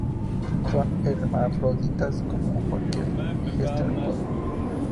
Son hermafroditas como cualquier gasterópodo.